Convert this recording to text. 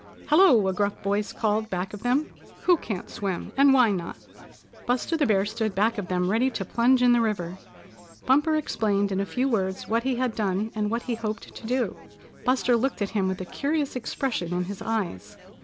"Hello!" a gruff voice called back of them. "Who can't swim, and why not?" Buster the Bear stood back of them ready to plunge in the river. Bumper explained in a few words what he had done, and what he hoped to do. Buster looked at him with a curious expression in his eyes.